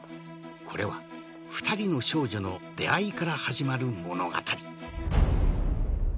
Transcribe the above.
これは二人の少女の出会いから始まる物語